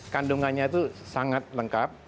kandungannya itu sangat lengkap